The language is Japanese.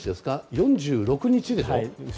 ４６日でしょ。